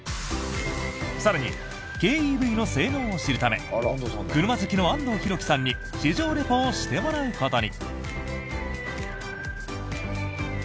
更に、軽ＥＶの性能を知るため車好きの安東弘樹さんに試乗レポをしてもらうことに。